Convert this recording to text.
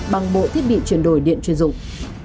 bằng mỗi thiết bị chuyển đổi điện chuyên dụng